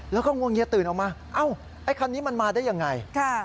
แล้วก็งงเยียดตื่นออกมาไอ้คันนี้มันมาได้อย่างไร